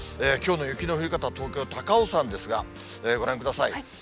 きょうの雪の降り方、東京・高尾山ですが、ご覧ください。